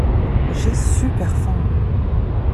J'ai super faim.